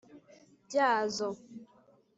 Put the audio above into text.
Byazo.